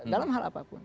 dalam hal apapun